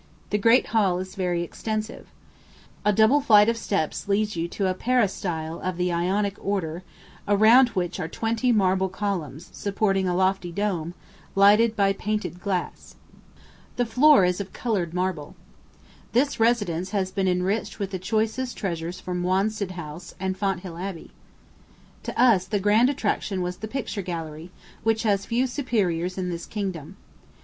The great hall is very extensive. A double flight of steps leads you to a peristyle of the Ionic order, around which are twenty marble columns, supporting a lofty dome, lighted by painted glass. The floor is of colored marble. This residence has been enriched with the choicest treasures from Wanstead House, and Fonthill Abbey. To us the grand attraction was the Picture Gallery, which has few superiors in the kingdom.